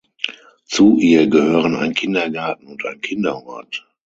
Zu ihr gehören ein Kindergarten und ein Kinderhort.